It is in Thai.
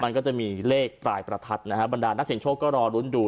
มันก็จะมีเลขปลายประทัดนะฮะบรรดานักเสียงโชคก็รอลุ้นดู